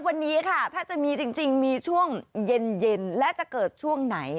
วันนี้ค่ะถ้าจะมีจริงมีช่วงเย็นและจะเกิดช่วงไหน